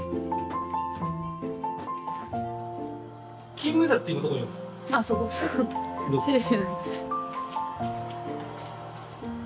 金メダルって今どこにあるんですか？